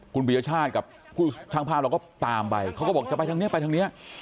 คุณปียชาติกับช่างภาพเราก็ตามไปเขาก็บอกจะไปทางนี้ไปทางนี้